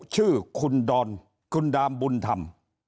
ชื่อคุณดอนคุณดามบุญธรรม